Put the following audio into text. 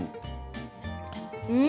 うん！